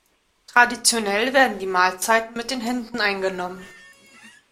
Traditionell werden die Mahlzeiten mit den Händen eingenommen.